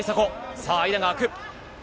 さあ、間が空く。